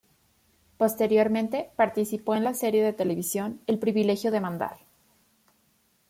Posteriormente, participó en la serie de televisión, "El privilegio de mandar".